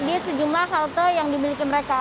di sejumlah halte yang dimiliki mereka